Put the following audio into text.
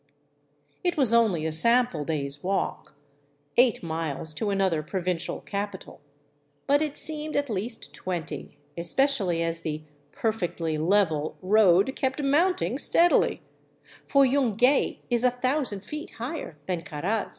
It was only a sample day's walk; eight miles to another provincial capital. But it seemed at least twenty, especially as the " perfectly level " road kept mounting steadily, for Yungay is a thousand feet higher than Caraz.